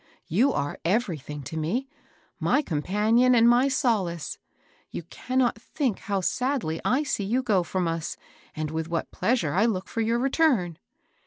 You are everything to me, — my companion and my solace. You can not think how sadly I see you go from us, and with what pleasure I look for your return."